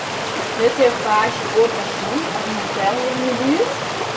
Witte jo faaks in oar pensjon of in hotel hjir yn 'e buert?